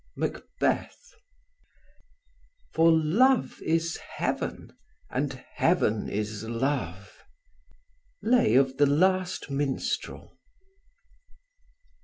Macbeth. For love is heaven, and heaven is love. Lay of the Last Minstrel.